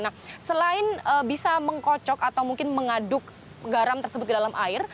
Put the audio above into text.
nah selain bisa mengkocok atau mungkin mengaduk garam tersebut ke dalam air